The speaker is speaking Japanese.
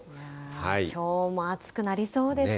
きょうも暑くなりそうですね。